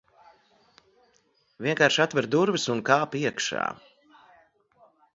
Vienkārši atver durvis, un kāp iekšā.